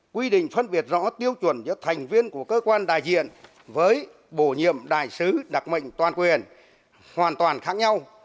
quy định phân biệt rõ tiêu chuẩn giữa thành viên của cơ quan đại diện với bổ nhiệm đại sứ đặc mệnh toàn quyền hoàn toàn khác nhau